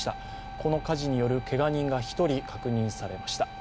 この火事によるけが人が１人、確認されました。